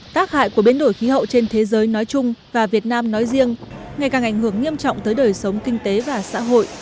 tác hại của biến đổi khí hậu trên thế giới nói chung và việt nam nói riêng ngày càng ảnh hưởng nghiêm trọng tới đời sống kinh tế và xã hội